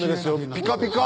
ピカピカ！